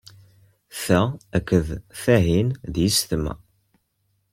Ta akked tahin d yessetma.